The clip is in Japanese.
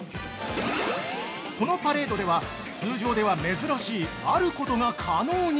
このパレードでは、通常では珍しいある事が可能に！